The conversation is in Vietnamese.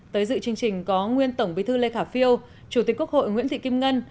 tới dự chương trình có nguyên tổng bí thư lê khả phiêu chủ tịch quốc hội nguyễn thị kim ngân